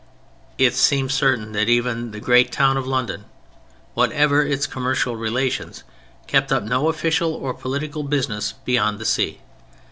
It seems certain that even the great town of London, whatever its commercial relations, kept up no official or political business beyond the sea.